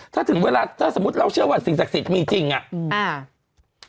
ถ้าถึงเวลาถ้าสมมุติเราเชื่อว่าสิ่งศักดิ์สิทธิ์มีจริงอ่ะอืมอ่า